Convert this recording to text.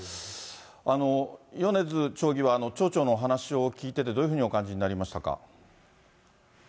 米津町議は町長のお話を聞いてて、どういうふうにお感じになりましたか？